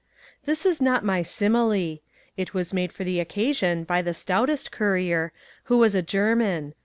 This is not my simile. It was made for the occasion by the stoutest courier, who was a German.